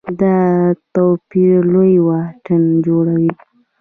دا توپیر لوی واټن جوړوي.